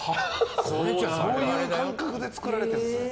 そういう感覚で作られてるんですね。